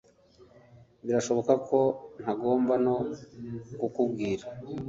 Birashoboka ko ntagomba no kukubwira